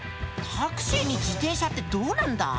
タクシーに自転車ってどうなんだ？